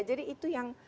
jadi itu yang